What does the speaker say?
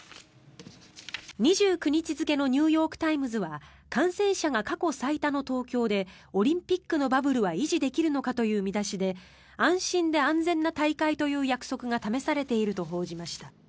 ２９日付のニューヨーク・タイムズは感染者が過去最多の東京でオリンピックのバブルは維持できるのかという見出しで安心で安全な大会という約束が試されていると報じました。